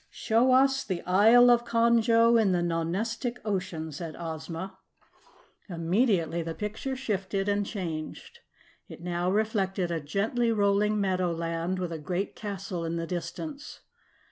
"Show us the Isle of Conjo in the Nonestic Ocean," said Ozma. Immediately the picture shifted and changed. It now reflected a gently rolling meadowland with a great castle in the distance.